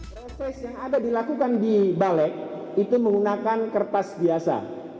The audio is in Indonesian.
proses yang ada dilakukan di balik itu menggunakan kertas biasa